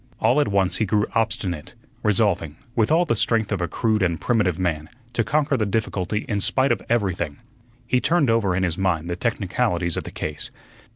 All at once he grew obstinate, resolving, with all the strength of a crude and primitive man, to conquer the difficulty in spite of everything. He turned over in his mind the technicalities of the case.